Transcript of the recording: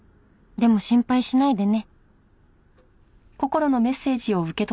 「でも心配しないでね」